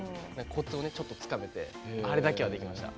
コツをちょっとつかめてあれだけはできました。